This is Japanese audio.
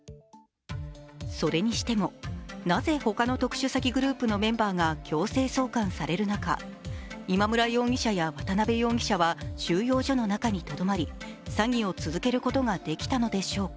それにしても、なぜ他の特殊詐欺グループのメンバーが強制送還される中今村容疑者や渡辺容疑者は収容所の中にとどまり、詐欺を続けることができたのでしょうか？